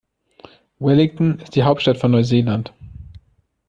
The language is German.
Wellington ist die Hauptstadt von Neuseeland.